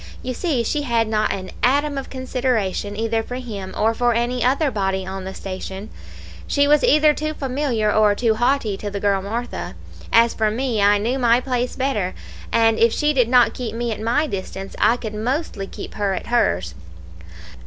You see she had not an atom of consideration either for him or for any other body on the station; she was either too familiar or too haughty to the girl Martha; as for me, I knew my place better, and if she did not keep me at my distance, I could mostly keep her at hers.